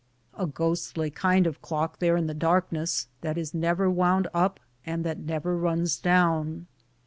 A ghostly kind of clock there in the darkness, that is never wound up and that never runs down.